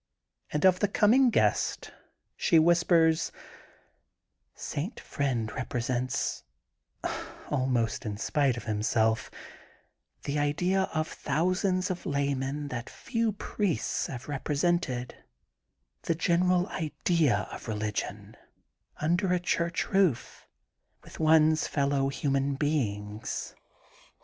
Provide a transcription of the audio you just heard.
And of the coming guest, she whispers: —* St. Friend represents, almost in spite of himself, the idea of thousands of laymen, that few priests have represented: — ^the general idea of religion, under a church roof, with one's fellow human beings.